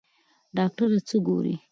ډاکټره څه ګوري؟